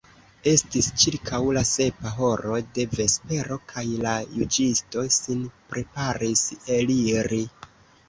Estis ĉirkaŭ la sepa horo de vespero, kaj la juĝisto sin preparis eliri.